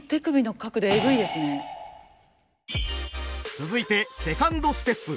続いてセカンドステップ。